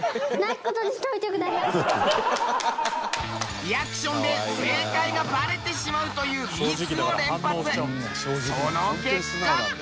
リアクションで正解がバレてしまうというミスを連発！